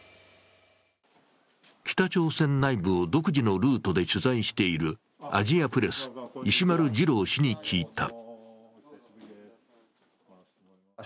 北朝鮮内部を独自のルートで取材しているアジアプレス・石丸次郎氏に聞いた。